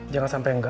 jangan sampai enggak